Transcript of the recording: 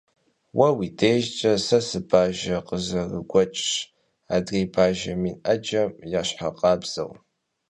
Уэ уи дежкӀэ сэ сыбажэ къызэрыгуэкӀщ, адрей бажэ мин Ӏэджэм ящхьыркъабзэу.